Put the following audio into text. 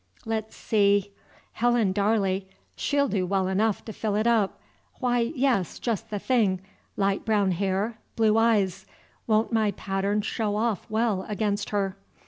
Let's see, Helen Darley, she 'll do well enough to fill it up, why, yes, just the thing, light brown hair, blue eyes, won't my pattern show off well against her?